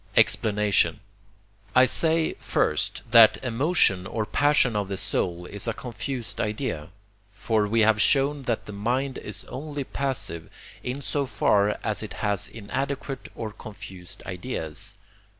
Explanation I say, first, that emotion or passion of the soul is a confused idea. For we have shown that the mind is only passive, in so far as it has inadequate or confused ideas.